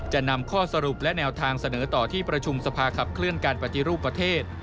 จะนำข้อสรุปและแนวทางเสนอต่อที่ประชุมสภาขับเคลื่อนการปฏิรูปประเทศ